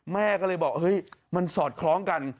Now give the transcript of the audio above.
แม่ก็เลยบอกเฮ้ยมันสอดคล้องกัน